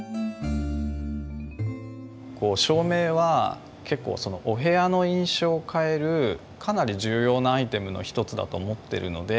照明は結構お部屋の印象を変えるかなり重要なアイテムの一つだと思ってるので